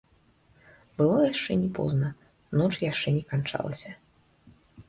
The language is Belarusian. Было яшчэ не позна, ноч яшчэ не канчалася.